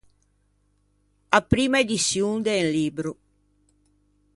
A primma ediçion de un libbro.